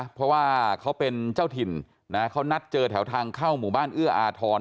เพราะว่าเขาเป็นเจ้าถิ่นนะเขานัดเจอแถวทางเข้าหมู่บ้านเอื้ออาทร